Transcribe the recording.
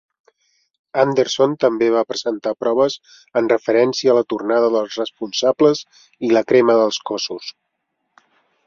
Anderson també va presentar proves en referència a la tornada dels responsables i la crema dels cossos.